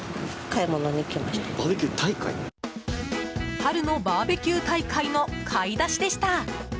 春のバーベキュー大会の買い出しでした。